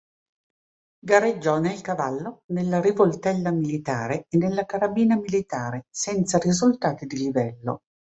Gareggiò nel cavallo, nella rivoltella militare e nella carabina militare, senza risultati di livello.